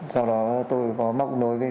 do đó tôi có móc nối với